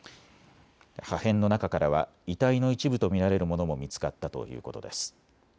破片の中からは遺体の一部と見られるものも見つかったということです。